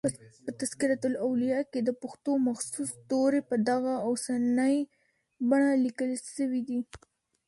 په" تذکرة الاولیاء" کښي دپښتو مخصوص توري په دغه اوسنۍ بڼه لیکل سوي دي.